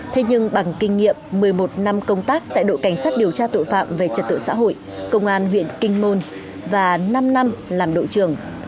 thế nhưng bằng kinh nghiệm một mươi một năm công tác tại đội cảnh sát điều tra tội phạm về trật tự xã hội công an huyện kinh môn và năm năm làm đội trưởng